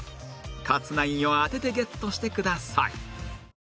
勝つナインを当ててゲットしてください